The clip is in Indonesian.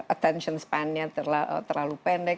attention span nya terlalu pendek